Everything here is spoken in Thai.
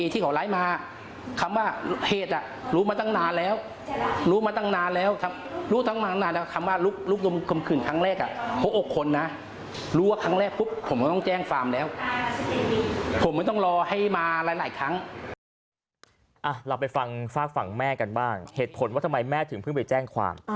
ที่เขาไลก์คำว่าเราไปฟังฟากฟังแม่กันบ้างเหตุผลว่าทำไมแม่ถึงเพิ่งไปแจ้งความ